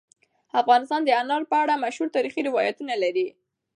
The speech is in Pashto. افغانستان د انار په اړه مشهور تاریخی روایتونه لري.